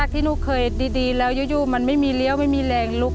ที่หนูเคยดีแล้วอยู่มันไม่มีเลี้ยวไม่มีแรงลุก